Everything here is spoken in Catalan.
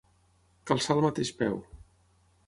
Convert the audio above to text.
Calçar el mateix peu.